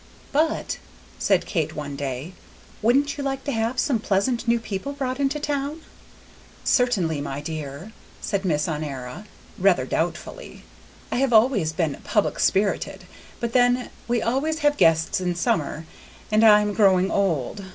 "But," said Kate one day, "wouldn't you like to have some pleasant new people brought into town?" "Certainly, my dear," said Miss Honora, rather doubtfully; "I have always been public spirited; but then, we always have guests in summer, and I am growing old.